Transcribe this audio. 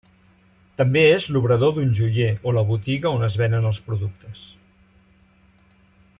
També és l'obrador d'un joier o la botiga on es venen els productes.